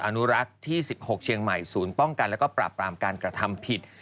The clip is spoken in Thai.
อนุรักษ์ที่๑๖เชียงใหม่ศูนย์ป้องกันแล้วก็ปราบปรามการกระทำผิด